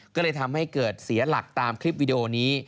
ก็เลยทำให้เกิดเสียหลักตามคลิปวิดีโอนี้